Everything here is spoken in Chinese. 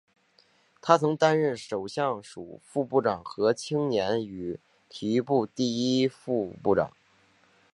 他曾经担任首相署副部长和青年与体育部第一副部长。